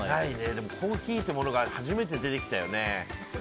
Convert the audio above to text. でも、コーヒーってものが初めて出てきたよね。